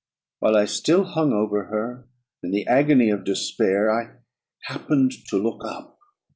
While I still hung over her in the agony of despair, I happened to look up.